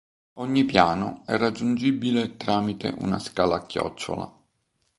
Ogni piano è raggiungibile tramite una scala a chiocciola.